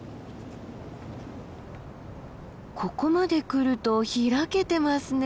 ここまで来ると開けてますね。